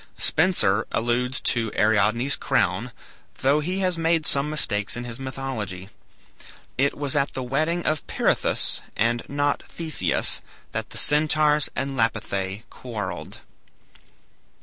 Spenser alludes to Ariadne's crown, though he has made some mistakes in his mythology. It was at the wedding of Pirithous, and not Theseus, that the Centaurs and Lapithae quarrelled.